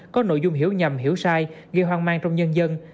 có nội dung hiểu nhầm hiểu sai gây hoang mang trong nhân dân